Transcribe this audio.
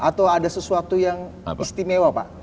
atau ada sesuatu yang istimewa pak